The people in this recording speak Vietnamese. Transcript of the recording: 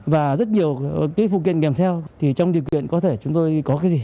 và rất nhiều cái vụ kiện kèm theo thì trong điều kiện có thể chúng tôi có cái gì